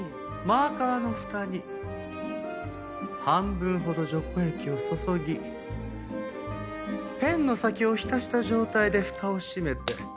マーカーのふたに半分ほど除光液を注ぎペンの先を浸した状態でふたを閉めて１０分ほど待ちます。